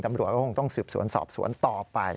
ตำรวจก็คงต้องสืบสวนสอบสวนต่อไป